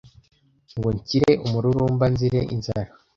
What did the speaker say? Ngo nshire umururumba nzire inzara